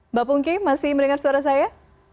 mbak pungki masih mendengar suara saya